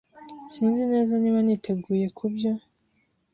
Sinzi neza niba niteguye kubyo.